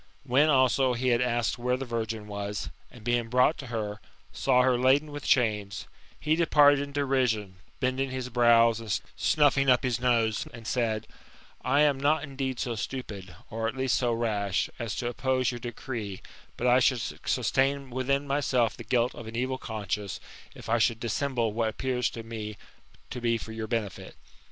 When, also, he had asked where the virgin was, and being brought to her, saw her laden with chains, he departed in derision, bending his brows and snuffing up his nose, and said :'* I am not indeed so stupid, or at least so rash, as to oppose your decree ; but I should sustain within myself the guilt of an evil conscience, if I should dissemble what appears to me to be for your benefit.